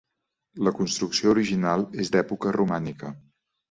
La construcció original és d'època romànica.